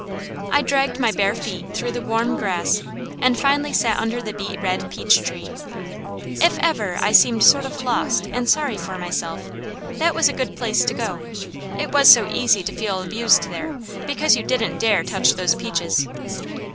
I dragged my bare feet through the warm grass, and finally sat under the beet red peach tree. If ever I seemed sort of lost and sorry for myself, that was a good place to go; it was so easy to feel abused there because you didn't dare touch those peaches.